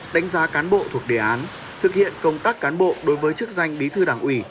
đánh giá cán bộ thuộc đề án thực hiện công tác cán bộ đối với chức danh bí thư đảng ủy